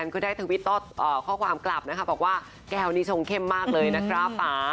ก็ได้ทวิตข้อความกลับนะคะบอกว่าแก้วนี้ชงเข้มมากเลยนะครับป่า